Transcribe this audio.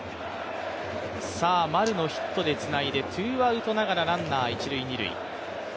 丸のヒットでつないでツーアウトながらランナー、一・二塁。